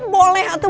boleh atau tidak